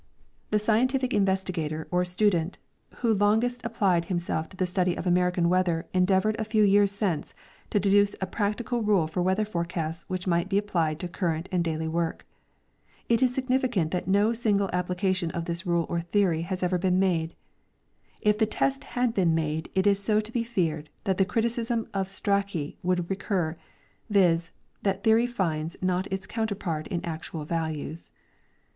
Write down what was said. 87 The scientific investigator or student who longest apphecl liim self to the study of American weather endeavored a few years since to deduce a practical rule for weather forecasts which might he a]3plied to current and daily work. It is significant that no ■ single application of this rule or theory has ever been made. If the test had been made it is to be feared that the criticism of Strachey would recur, viz, that theory finds not its counterpart in actuah values.